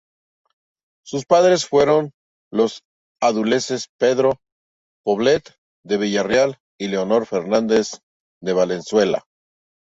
Sus padres fueron los andaluces Pedro Poblete de Villarreal y Leonor Fernández de Valenzuela.